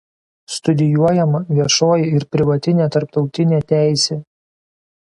Studijuojama viešoji ir privatinė tarptautinė teisė.